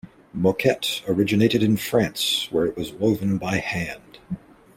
Moquette originated in France, where it was woven by hand.